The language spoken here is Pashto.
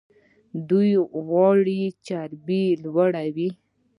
ایا غوړي چربي لوړوي؟